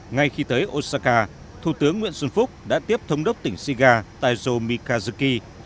ngay khi tới osaka thủ tướng nguyễn xuân phúc đã tiếp thống đốc tỉnh shiga taizo mikazuki